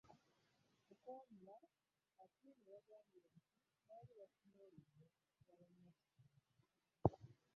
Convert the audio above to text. Mu kwanula, Atwine yagambye nti baali batunuulidde okugaba masiki